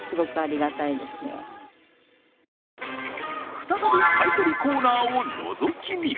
再び、買い取りコーナーをのぞき見。